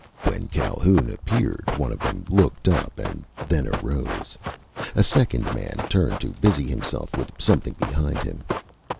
When Calhoun appeared one of them looked up and then arose. A second man turned to busy himself with something behind him.